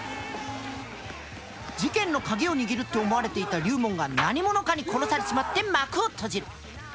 事件の鍵を握るって思われていた龍門が何者かに殺されちまって幕を閉じる。